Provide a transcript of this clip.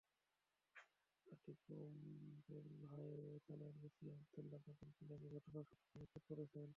Hatikumrul highway থানার OC Abdul Kader Jilani ঘটনার সত্যতা নিশ্চিত করেছেন।